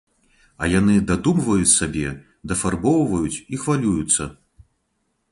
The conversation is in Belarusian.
А яны дадумваюць сабе, дафарбоўваюць і хвалююцца.